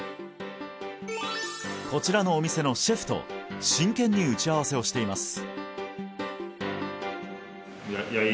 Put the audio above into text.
こちらのお店のシェフと真剣に打ち合わせをしています